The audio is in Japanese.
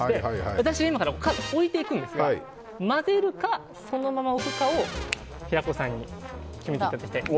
私が今から置いていくんですが混ぜるかそのまま置くかを平子さんに決めていただきたい。